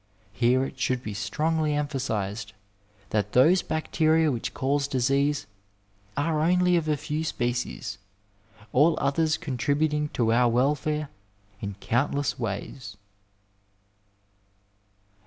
Here it should be strongly emphasized that those bacteria which cause disease are only of a few species, all others con tributing to our welfue in countless ways.